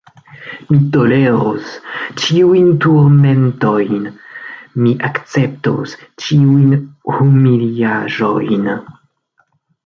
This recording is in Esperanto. Mi toleros ĉiujn turmentojn, mi akceptos ĉiujn humilaĵojn.